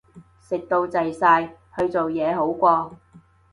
食到滯晒，去做嘢好過